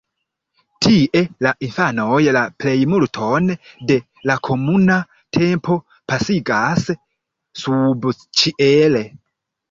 Tie la infanoj la plejmulton de la komuna tempo pasigas subĉiele.